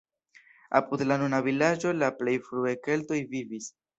Apud la nuna vilaĝo la plej frue keltoj vivis.